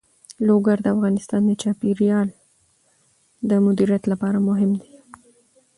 لوگر د افغانستان د چاپیریال د مدیریت لپاره مهم دي.